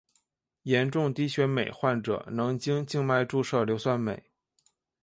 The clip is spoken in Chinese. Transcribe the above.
严重低血镁患者能经静脉注射硫酸镁。